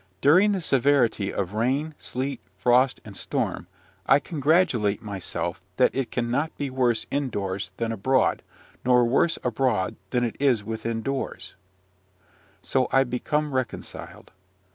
During the severity of rain, sleet, frost, and storm, I congratulate myself that it cannot be worse indoors than abroad, nor worse abroad than it is within doors; and so I become reconciled.